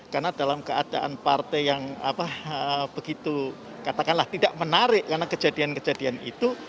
karena dalam keadaan partai yang tidak menarik karena kejadian kejadian itu